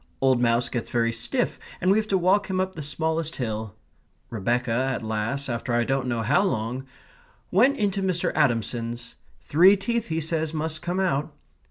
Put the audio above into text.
Old Mouse gets very stiff, and we have to walk him up the smallest hill. Rebecca, at last, after I don't know how long, went into Mr. Adamson's. Three teeth, he says, must come out.